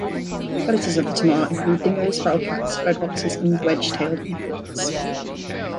Predators of the tammar include dingos, feral cats, red foxes and wedge-tailed eagles.